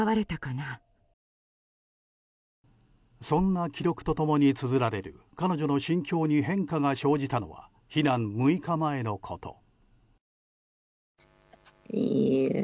そんな記録と共につづられる彼女の心境に変化が生じたのは避難６日前のこと。